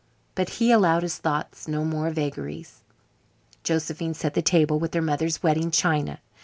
But he allowed his thoughts no more vagaries. Josephine set the table with her mother's wedding china.